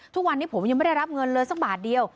ทุกวันนี้ผมยังไม่ได้รับเงินเลยสักบาทเดียว